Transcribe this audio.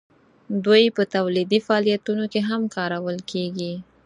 دوی په تولیدي فعالیتونو کې هم کارول کیږي.